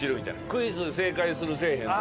クイズ正解するせえへんとか。